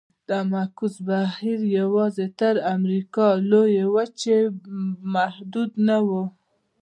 دا معکوس بهیر یوازې تر امریکا لویې وچې محدود نه و.